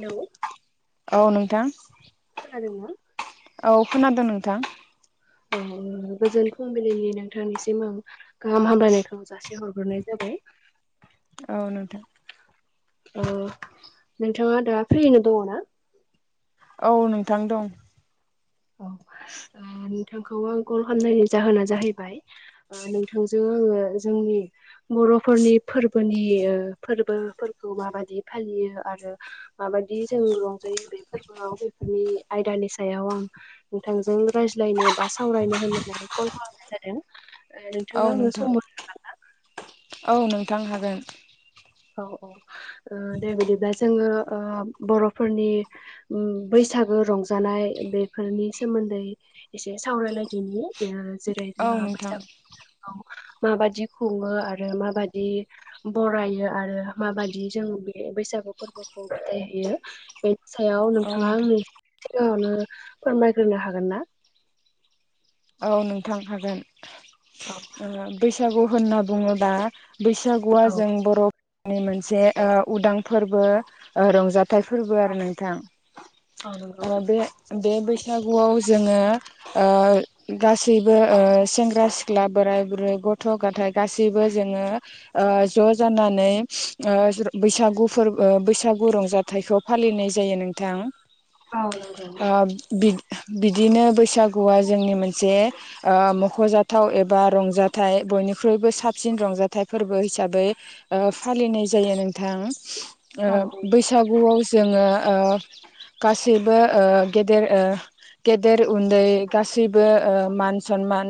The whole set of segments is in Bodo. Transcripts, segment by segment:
हेल' औ नोंथां खोनादों ना? औ खोनादों नोंथां। औ गोजोन फुंबिलिनि नोंथांनिसिम आं गाहाम हामलायनायखौ जासे हरग्रोनाय जाबाय। [inaudible] औ नोंथां औ नोंथाङा दा फ्रियैनो दङ ना? औ नोंथां दं। औ आ नोंथांखौ आं कल खालामनायनि जाहोना जाहैबाय नोंथांजों आङो जोंनि बर'फोरनि फोरबोनि फोरबोफोरखौ माबायदि फालियो आरो माबायदि जों रंजायो बे फोरबोआव बेफोरनि आयदानि सायाव आं नोंथांजों रायज्लायनो बा सावरायनो होननानै कल खालामनाय जादों। ओ औ नोंथाङा आंनो नोंथां सम होनो हागोन औ नोंथां हागोन। औ दे बिदिब्ला जोङो बर'फोरनि बैसागो रंजानाय बेफोरनि सोमोन्दै एसे सावरायलायदिनि। जेरै औ जोंहा नोंथां बैसागु माबादि खङो आरो माबादि बरायो। आरो माबादि जों बे बैसागु फोरबोखौ बिदाय होयो बे सायाव औ नोंथाङा नोंथां आंनो सिगाङावनो फोरमायग्रोनो हागोन ना? औ नोंथां हागोन औ बैसागु होनना बुङोबा बैसागुआ औ जों बर'नि मोनसे उदां फोरबो रंजाथाइ फोरबो औ आरो नोंथां। औ नंगौ बे बे बैसागुआव जोङो ओ गासैबो सेंग्रा सिख्ला बोराय बुरै गथ' गथाय गासैबो जोङो ओ ज जानानै बैसागु फोरबो बैसागु रंजाथाइखौ फालिनाय जायो। नोंथां औ नंगौ ओ बिदिनो बैसागुआ जोंनि मोनसे जे मखजाथाव एबा रंजाथाइ बयनिख्रुइबो साबसिन रंजाथाइ फोरबो हि हिसाबै फालिनाय जायो नोंथां। औ औ नंगौ बैसागुआव जोङो गासैबो गेदेर गेदेर उन्दै गासैबो बो मान सनमान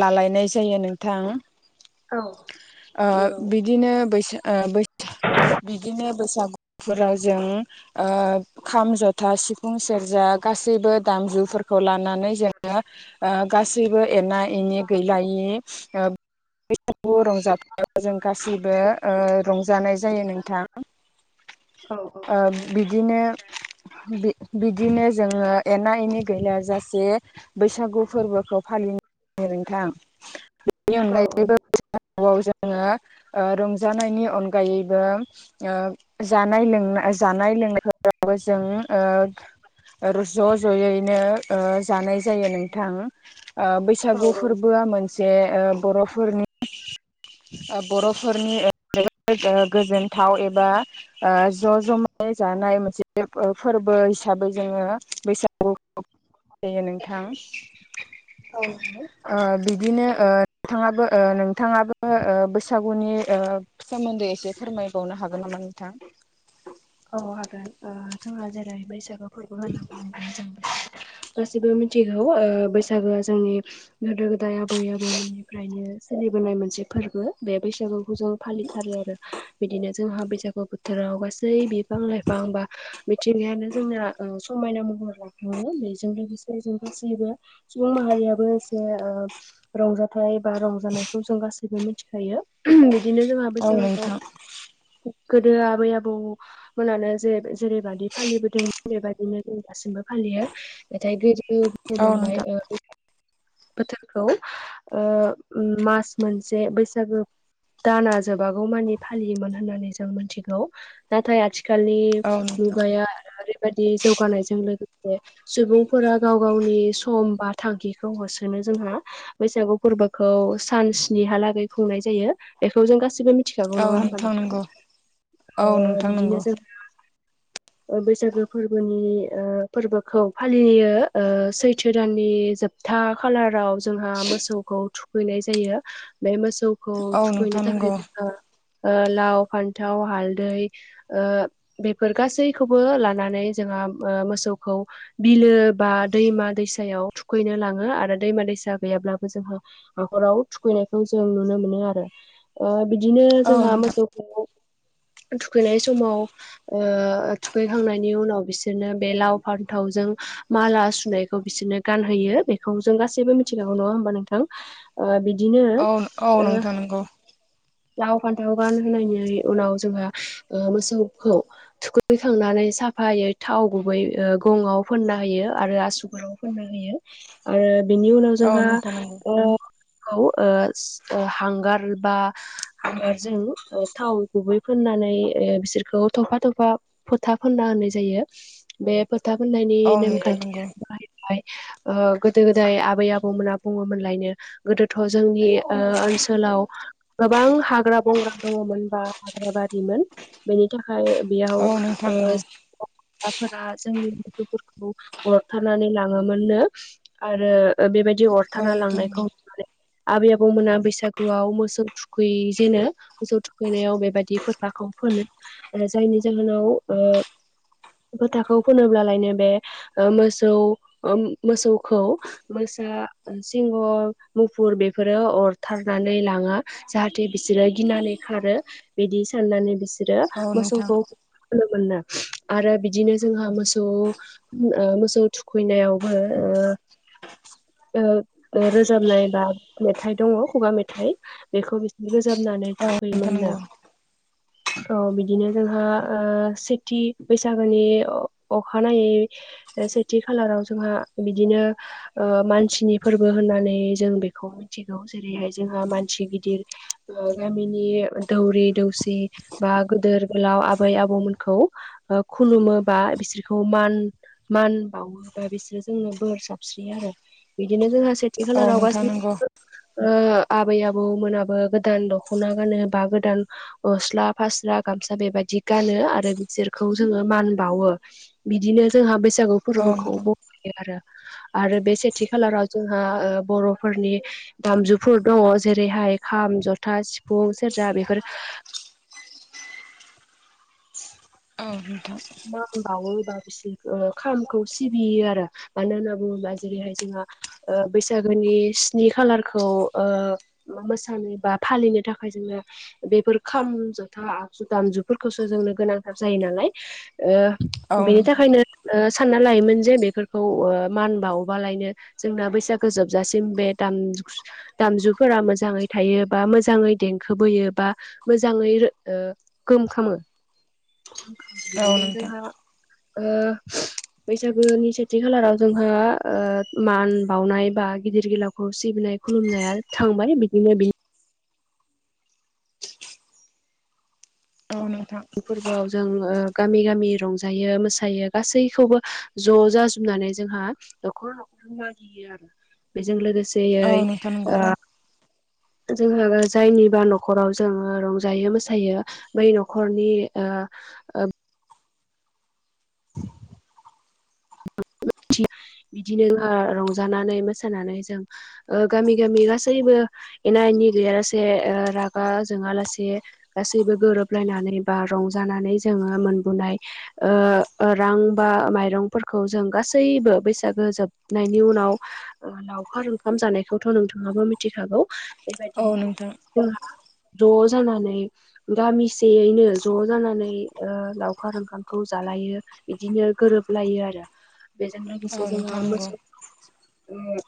लालायनाय जायो नोंथां। औ नंगौ बिदिनो बैसो बिदिनो बैसागुफोराव जों खाम जथा सिफुं सेरजा गासैबो दामजुफोरखौ लानानै। नानै जोङो गासैबो एना एनि गैलायै। बैसागु रंजाथाव जों गाससिबो रंजानाय जायो नोंथां। औ बिदिनो बिदिनो जोङो एना एनि गैलाया जासे। जे बैसागु फोरबोखौ फालियो नोंथां। बेनि अनगायैबो औ जोङो रंजानायनि अनगायैबो जानाय-लोंनाय जानाय लोंनायफोरावबो जों ज जयैनो जानाय जायो नोंथां औ बैसागु औ फोरबोआ मोनसे। जे ओ बर'फोरनि बर'फोरनि जे गोजोनथाव एबा ज जयै जानाय मोनसे फोर फोरबो हिसाबै जोङो बैसागु। नोंथां औ नंगौ। बिदिनो नोंथाङाबो नोंथाङाबो बैसागुनि सोमोन्दै एसे फोरमायबावनो हागोन नामा? नोंथां औ हागोन ओ जोंहा जेरै बैसागो फोरबो होनना बुङोब्ला जों। गासिबो मिथिगौ ओ बैसागोआ जोंनि गोदो गोदाय आबै आबौमोननिफ्रायनो फालिबोनाय मोनसे फोरबो बे बैसागु। जों फालिथारो आरो बिदिनो जोंहा बैसागु बोथोराव गासै बिफां लाइफां बा मिथिंगायानो जोंनिया ओ। समायना महर लाखाङो बेजों लोगोसे जों गासैबो सुबुं माहारियाबो एसे ओ रंजाथाइ बा रंजानायखौ जों गासैबो मिथिखायो बि बिदिनो जोंहा औ बैसागुखौ नोंथां गोदो आबै-आबौ मोनानो जे जेरैबादि फालिबोदोंमोन बेबादिनो जों दासिमबो फालियो नाथाय औ गोदो। नोंथां [unintelligible] बोथोरखौ ओ मास मोनसे बैसागु। दाना जोबागौ मानि फालियोमोन होननानै जों मिथिगौ नाथाय आथिखालनि औ नोंथां मुगाया बादि जौगानायजों लोगोसे सुबुंफोरा गाव गावनि सम बा थांखिखौ होसोनो। जोंहा बैसागु फोरबोखौ सान स्निहालागै खुंनाय जायो बेखौ जों गासिबो मिथिखागौ औ नङा होमबा नोंथां नंगौ औ अ नोंथां बिदिनो नंगौ। जों [inaudible] बैसागो फोरबोनि ओ फोरबोखौ फालियो सैथो दाननि जोबथा। था खालाराव जोंहा मोसौखौ थुखैनाय जायो बे मोसौ खौ औ थुखैनो नोंथां थाखाय नंगौ जोङो लाव फान्थाव हाल दै ओ बेफोर गासैखौबो लानानै जोंहा ओ मोसौखौ बिलो बिलो बा दैमा दैसायाव थुखैनो लाङो आरो दैमा दैसा गैयाब्लाबो जोंहा हाखराव। थुखैनायखौ जों नुनो मोनो आरो ओ बिदिनो औ जोंहा नोंथां मोसौखौ। थुखैनाय समाव ओ थुखैखांनायनि उनाव बिसोरनो बे लाव, फान्थाव। जों माला सुनायखौ बिसोरनो गानहोयो बेखौ जों गासैबो मिथिखागौ नङा होमबा नोंथां ओ बिदिनो औ औ ओ नोंथां नंगौ लाव फान्थाव गानहोनायनि उनाव जोंहा ओ मोसौखौ थुखैखांनानै साफायै थाव गुबै ओ गङाव फोनना होयो आरो आसुगुराव फोनना होयो ओ बेनि उनाव औ जोंहा नोंथां नंगौ ओ थाव ओ हांगार बा जों ओ थाव गुबै फोननानै ओ बिसोरखौ थफा थफा फोथा फोनना होनो जायो बे फोथा फोननायनि औ नोंथां नेमखान्थि नंगौ [unintelligible] ओ गोदो गोदाय आबै आबौमोना बुङोमोनलायनो गोदोथ' जोंनि ओ ओनसोलाव गोबां हाग्रा बंग्रा दङमोन बा हाग्रा बारिमोन बेनि था खाय बेयाव औ नोंथां ओ नंगौ फोरा जोंनि गथ'फोरखौ अरथारनानै लाङोमोननो आरो बेबायदि दि औ अरथारना नोंथां लांनायखौ नंगौ नुबाय आबै आबौमोना बैसागुआव मोसौ थुखैजेनो मोसौ थुखैनायाव बेबायदि फोथाखौ फोनो जायनि जाहोनाव ओ फोथाखौ फुनोब्लायनो बे ओ मोसौ ओ मोसौखौ मो सा सिंह मुफुर बेफोरो अरथारनानै लाङा। जाहाथे बिसोरो गिनानै खारो बिदि साननानै बि सोरो औ नोंथां मोसौखौ मोनो आरो बिदिनो जोंहा मोसौ ओ मोसौ थुखैनायावबो ओ [inaudible] ओ ओ रोजाबनाय बा मेथाइ दङ खुगा मेथाइ बेखौ बिसोर रोजाबनानै औ नोंथां थुखैयोमोननो। नंगौ औ बिदिनो जोंहा ओ सेथि बैसागोनि अ अखानायै सेथि खालाराव जोंहा बिदिनो ओ मानसिनि फोरबो होननानै जों बेखौ मिथिगौ जेरैहाय जोंहा सि गिदिर ओ गामिनि दौरि दौसि बा गोदोर गोलाव आबै आ बौ मोनखौ ओ खुलुमो बा बिसोरखौ मान मान बावो बा बिसोरो जोङो बोर साबस्रियो आरो बिदिनो जोंहा सेथि औ खालाराव नोंथां नंगौ गासिबो ओ आबै आ बौमोनाबो गोदान दख'ना गानो बा गोदान गस्ला फास्रा गामसा बेबादि गानो। आरो बिसोरखौ जोङो मान बावो बिदिनो जोंहा बैसा गु औ फोरबोखौ नोंथां बारायो आरो आरो बे सेथि खालाराव जोंहा ओ बर'फोरनि दामजुफोर दङ'। जेरैहाय खाम जथा सिफुं सेरजा बेफोर औ मान बावो बा ओ खामखौ सिबियो आरो मानो होनना बुङोब्ला जेरैहाय ओ जोंहा बैसागोनि बे स्नि खालारखौ ओ मोसानो बा फालिनो थाखाय जोङो बेफोर खाम जथा आगजु दामजुफोरखौसो जोंनो गोनांथार जायो नालाय औ ओ बेनि थाखायनो ओ सानना लायोमोन जे बेफोरखौ ओ मान बावोबालायनो जोंना बैसागो जोबजासिम बे दाम दामजुफोरा मोजाङै थायो बा मोजाङै देंखोबोयो बा मोजाङै ओ गोमखोमो गोमखाङो बिदिनो नोंथां जोंहा ओ बैसागोनि सेथि खालाराव जोंहा ओ मान बावनाय बा गिदिर गिलावखौ सिबिनाय खुलुमनाया थांबानो बिदिनो बि औ नोंथां फोरबोआव जों ओ गामि गामि रंजायो मोसायो गासैखौबो ज' जाजोब नानै जोंहा न'खर न'खर मागियो आरो बेजों लोगो औ नोंथां औ सेयै नोंथां नंगौ ओ जोंहा जायनिबा न'खराव जोङो रंजायो मोसायो बै न'खरनि ओ [unintelligible] [inaudible] बिदिनो रंजानानै मोसानानै जों ओ गामि गामि गासैबो एना एनि नि गैया लासे रागा जोङा लासे गासैबो गोरोबलायनानै बा रंजानानै जोङो मोनबोनाय ओ ओ रां बा माइरं फोरखौ जों गासैबो बैसागो जोबनायनि उनाव लावखार ओंखाम जानायखौथ' नोंथां ङाबो मिथिखागौ बेबायदि औ नोंथां जोंहा ज' जानानै गामिसेयैनो ज' जानानै ओ लावखार ओंखामखौ जानो लायो बिदिनो गोरोबलायो आरो। बेजों लोगोसे औ नोंथां जोंहा नंगौ मोसौ [unintelligible]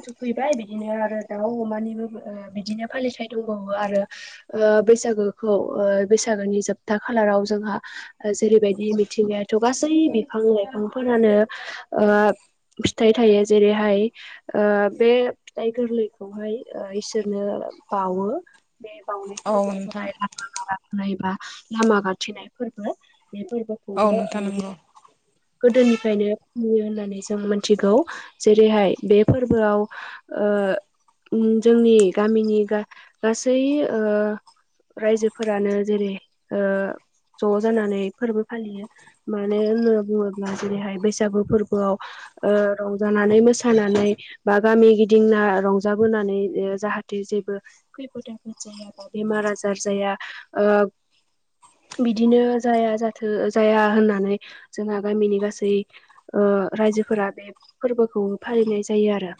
थुफैबाय बिदिनो आरो दाउ अमानिबो ओ बिदिनो फालिथाइ दंबावो आरो ओ बैसागोखौ ओ बैसागोनि जोबथा खालाराव जोंहा ओ जेरैबायदि मिथिंगायाथ' गासै बिफां लाइफांफोरानो ओ फिथाइ थायो जेरैहाय ओ बे फिथाइ गोरलैखौहाय इसोरनो ओ बावो। बे बावनाय औ फोरबोआ नोंथां जाबाय लाङा मारा होननाय बा लामा गाथेनाय फोरबो। बे औ फोरबोखौबो नोंथां ओ नंगौ गोदोनिफ्रायनो फालियो होननानै जों मोनथिगौ जेरैहाय बे फोरबोआव ओ ओ उम जोंनि गामिनि गासै ओ रायजोफोरानो जेरै ओ ज' जानानै फोरबो फालियो मानो होनो बुङोब्ला जेरैहाय बैसागु फोरबोआव ओ रंजानानै मोसानानै बा गामि गिदिंना रंजाबोनानै ओ जाहाथे जेबो खैफोद आफोद जायाबा बेमार आ जार जाया ओ बिदिनो जाया जाथो ओ जाया होननानै जोंहा गामिनि गासै ओ रायजोफोरा बे फोरबोखौ फालिनाय जायो आरो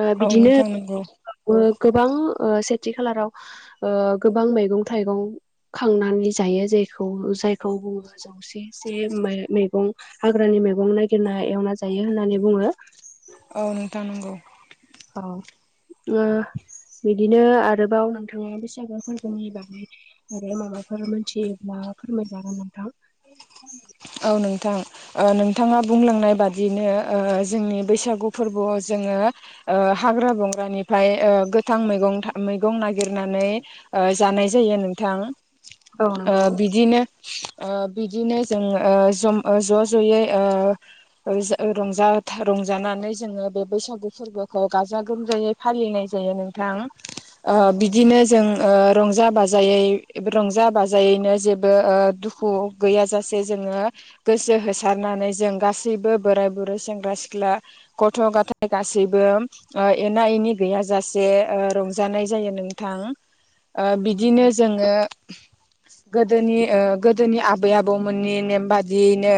ओ औ बिदिनो नोंथां नंगौ ओ गोबां ओ सेथि खालाराव ओ गोबां मैगं थाइगं खांनानै जायो जेखौ ओ जायखौ बुङो जौसे से मै मैगं हाग्रानि मैगं नागिरना एवना जायो होननानै बुङो। औ नोंथां नंगौ। औ बिदिनो बिदिनो आरोबाव नोंथाङा बैसागो आसारफोनि बागै आरो मा माबाफोर मोनथियोब्ला फोरमायजागोन नोंथां औ नोंथां ओ नोंथाङा बुंलांनाय बादिनो ओ जोंनि बैसागु फोरबोआव जि जोङो ओ हाग्रा बंग्रानिफ्राय ओ गोथां मैग मैगं नागिरनानै ओ जानाय जायो नोंथां औ ओ नंगौ बिदिनो ओ बिदिनो जोङो ओ ज'यै ज'यै ओ ओरै जों रंजा रंजानानै जोङो बे बैसागु फोरबोखौ गाजा गोमजायै फालिनाय जायो नोंथां बिदिनो जों ओ रंजा बाजायै रंजा बाजायैनो जेबो ओ दुखु गैया जासे जोङो गोसो होसारनानै जों गासैबो बोराय बुरै सेंग्रा सिख्ला गथ' गथ' गथाय गासैबो ओ एना एनि गैयाजासे रंजानाय जायो नोंथां। ओ औ औ बिदिनो जोङो गोदोनि गोदोनि आबै आबौ मोननि नेम बादियैनो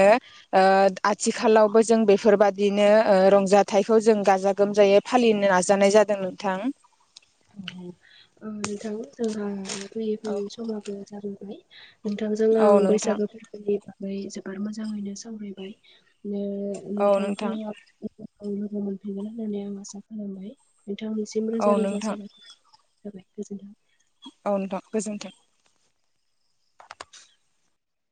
ओ आथिखालावबो जों बेफोरबादि बिदिनो ओ रंजाथाइखौ जों गाजा गोमजायै फालिनो नाजानाय जादों नोंथां उम नोंथां जोंङो फैयै फैयै समाबो जाबोबाय नोंथांजों औ आं नोंथां बैसागो फोरबोनि बागै जोबोर मोजाङैनो सावरायबाय ओ औ नोंथांखौ नोंथां लोगो मोनफिनगोन होननानै आं आसा खालामबाय नोंथांनिसिम औ रोजा रोजा नोंथां साबायखर [unintelligible] जाबाय गोजोन्थों औ नोंथां गोजोनथों